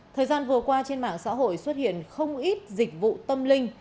thời gian vừa qua trên mạng xã hội xuất hiện không ít dịch vụ tâm linh